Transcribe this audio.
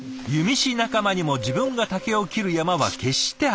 師仲間にも自分が竹を切る山は決して明かさない。